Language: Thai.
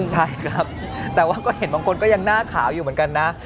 ใช่ครับแต่ว่าก็เห็นบางคนก็ยังหน้าขาวอยู่เหมือนกันนะ